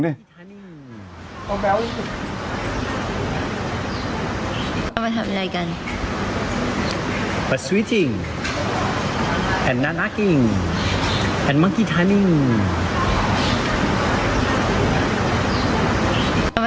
เวลานั้นแหละครับ